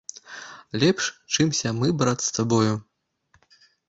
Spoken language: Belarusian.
Лепш, чымся мы, брат, з табою!